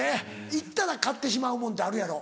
行ったら買ってしまうもんってあるやろ？